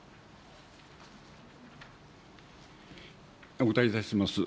お答えいたします。